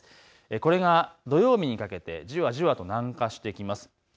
これが土曜日にかけてじわじわと南下してきます。